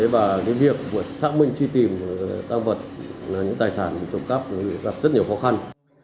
và việc xác minh truy tìm tăng vật những tài sản trộm cắp gặp rất nhiều khó khăn